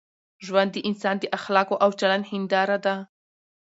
ژوند د انسان د اخلاقو او چلند هنداره ده.